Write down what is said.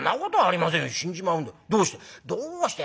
「どうして？」。